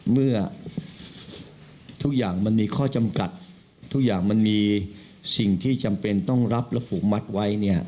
เมื่อทุกอย่างมันมีข้อจำกัดทุกอย่างมันมีสิ่งที่จำเป็นต้องรับและผูกมัดไว้